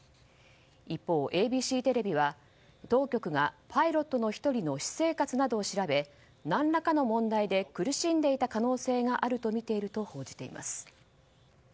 一方、ＡＢＣテレビは当局がパイロットの１人の私生活などを調べ何らかの問題で苦しんでいた可能性があるとみていると報じています。